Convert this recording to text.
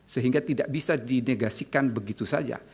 sehingga tidak bisa dinegasikan begitu saja